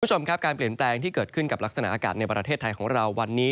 คุณผู้ชมครับการเปลี่ยนแปลงที่เกิดขึ้นกับลักษณะอากาศในประเทศไทยของเราวันนี้